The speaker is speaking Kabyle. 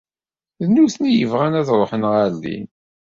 D nutni i yebɣan ad ruḥen ɣer din.